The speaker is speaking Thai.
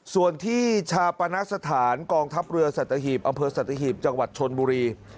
ส่วนที่ชาปณสถานกองทัพเรือสัตหีบอำเภอสัตหีบจังหวัดชนบุรี